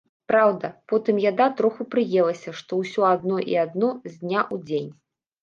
Праўда, потым яда троху прыелася, што ўсё адно і адно з дня ў дзень.